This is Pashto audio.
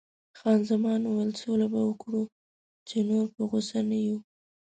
خان زمان: سوله به وکړو، چې نور په غوسه نه یو.